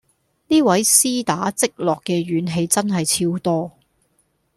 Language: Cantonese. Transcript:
呢位絲打積落嘅怨氣真係超多